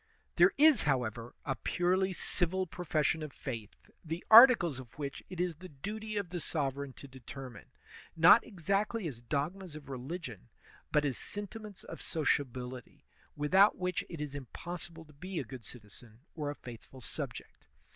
There is, however, a purely civil profession of faith, the articles of which it is the duty of the sovereign to determine, not exactly as dogmas of religion, but as sentiments of sociability, without which it is impossible to be a good citizen or a faithful subject.